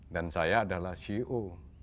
dan saya adalah ceo